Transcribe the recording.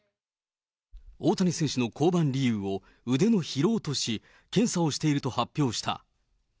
大谷選手の降板理由を腕の疲労とし、検査をしていると発表した。